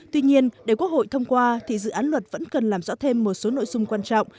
tuy nhiên để quốc hội thông qua thì dự án luật vẫn cần làm rõ thêm một số nội dung quan trọng